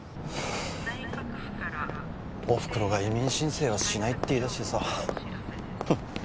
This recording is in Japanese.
お袋が移民申請はしないって言いだしてさふっ